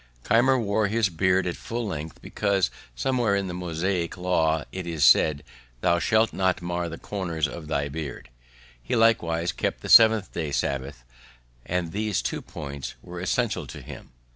Keimer wore his beard at full length, because somewhere in the Mosaic law it is said, "Thou shalt not mar the corners of thy beard." He likewise kept the Seventh day, Sabbath; and these two points were essentials with him.